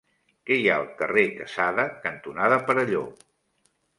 Què hi ha al carrer Quesada cantonada Perelló?